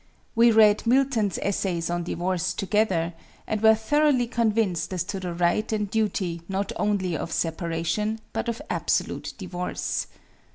We read Milton's essays on divorce, together, and were thoroughly convinced as to the right and duty not only of separation, but of absolute divorce.